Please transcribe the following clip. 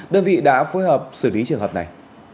đơn vị đã phối hợp xử lý trường hợp này